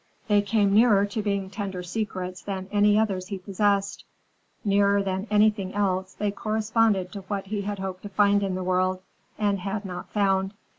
They came nearer to being tender secrets than any others he possessed. Nearer than anything else they corresponded to what he had hoped to find in the world, and had not found.